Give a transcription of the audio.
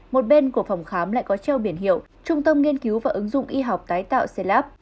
một bên của phòng khám lại có treo biển hiệu trung tâm nghiên cứu và ứng dụng y học tái tạo xây lắp